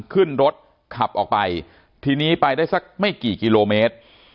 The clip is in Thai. ขึ้นรถขับออกไปทีนี้ไปได้สักไม่กี่กิโลเมตร